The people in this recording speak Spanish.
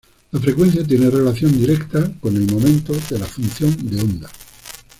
La frecuencia tiene relación directa con el momento de la función de onda.